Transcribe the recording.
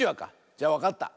じゃわかった。